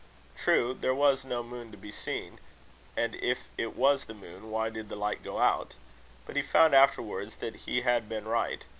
True, there was no moon to be seen; and if it was the moon, why did the light go out? But he found afterwards that he had been right.